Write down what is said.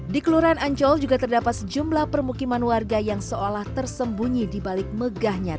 di kelurahan ancol juga terdapat sejumlah permukiman warga yang seolah tersembunyi di balik megahnya